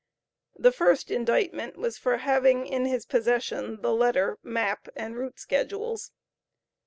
The first indictment was for the having in possession the letter, map and route schedules.